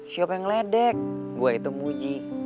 siapa yang ngeledek gua itu buji